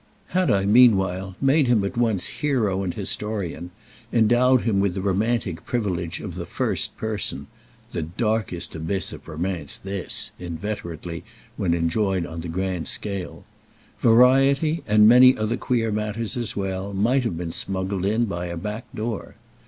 Had I, meanwhile, made him at once hero and historian, endowed him with the romantic privilege of the "first person"—the darkest abyss of romance this, inveterately, when enjoyed on the grand scale—variety, and many other queer matters as well, might have been smuggled in by a back door.